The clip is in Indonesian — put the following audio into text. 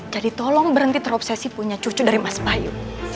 jadi tolong berhenti terobsesi punya cucu dari mas bayu